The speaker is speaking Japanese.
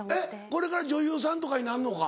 これから女優さんとかになるのか？